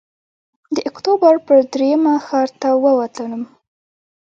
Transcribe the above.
د اکتوبر پر درېیمه ښار ته ووتلم.